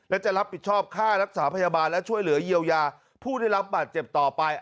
และจะรับผิดชอบค่ารักษาพยาบาลและช่วยเหลือเยียวยาผู้ได้รับบาดเจ็บต่อไป